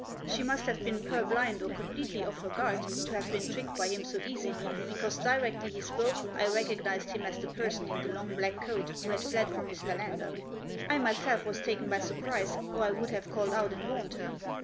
She must have been purblind, or completely off her guard, to have been tricked by him so easily, because directly he spoke I recognised him as the person in the long black coat who had fled from Mr. Lander. I myself was taken by surprise, or I would have called out and warned her.